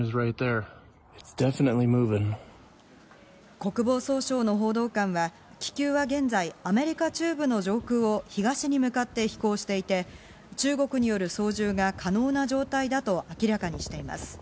国防総省の報道官は、気球は現在、アメリカ中部の上空を東に向かって飛行していて、中国による操縦が可能な状態だと明らかにしています。